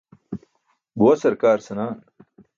Buwa sarkaar senaan.